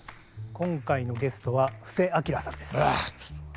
今回のゲストは布施明さんです。